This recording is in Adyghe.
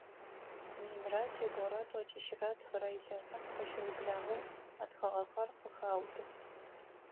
Минрэ шъибгъурэ тӏокӏищрэ тфырэ илъэсым къыщыублагъэу ытхыгъэхэр къыхаутых.